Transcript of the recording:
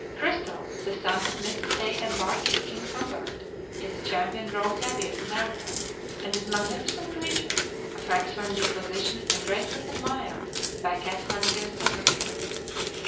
Crystal, the son of Mrs. E.M. Barker's "King Humbert," is the champion brown tabby of America, and is a magnificent creature, of excellent disposition and greatly admired by cat fanciers everywhere.